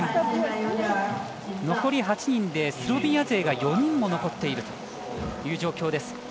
残り８人でスロベニア勢が４人も残っているという状況。